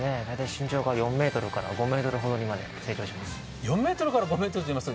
身長が４ｍから５目ほどに成長します。